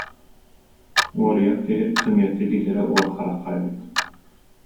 Уоруйах киһи сымыйаччы дииллэрэ уот харахха эбит